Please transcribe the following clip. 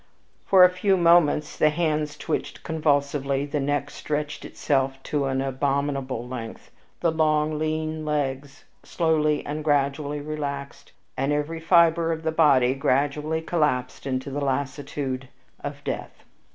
For a few moments the hands twitched convulsively; the neck stretched itself to an abominable length; the long, lean legs slowly and gradually relaxed, and every fiber of the body gradually collapsed into the lassitude of death.